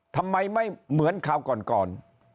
ทำไมไม่เหมือนคราวก่อน